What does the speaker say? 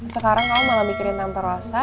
sekarang kamu malah mikirin tante rosa